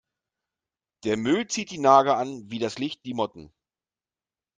Der Müll zieht die Nager an wie das Licht die Motten.